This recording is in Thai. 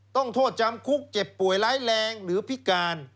โทษจำคุกเจ็บป่วยร้ายแรงหรือพิการ